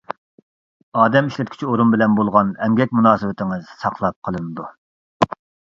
ئادەم ئىشلەتكۈچى ئورۇن بىلەن بولغان ئەمگەك مۇناسىۋىتىڭىز ساقلاپ قېلىنىدۇ.